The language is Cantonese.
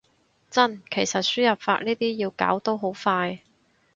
真，其實輸入法呢啲要搞都好快